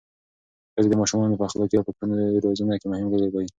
ښځې د ماشومانو په اخلاقي او فکري روزنه کې مهم رول لوبوي.